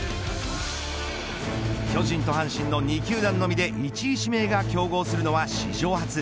巨人と阪神の２球団のみで１位指名が競合するのは史上初。